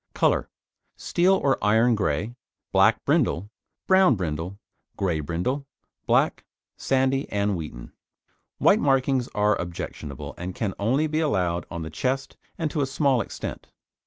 COLOUR Steel or iron grey, black brindle, brown brindle, grey brindle, black, sandy and wheaten. White markings are objectionable, and can only be allowed on the chest and to a small extent.